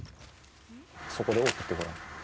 そこで折ってごらん。